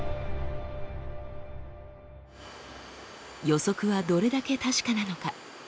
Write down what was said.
予測はどれだけ確かなのか？